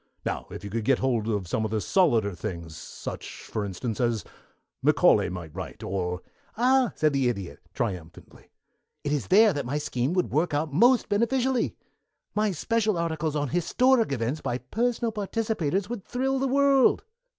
Now, if you could get hold of some of the solider things, such, for instance, as Macaulay might write, or" "Ah!" said the Idiot, triumphantly, "it is there that my scheme would work out most beneficently. My special articles on historic events by personal participators would thrill the world.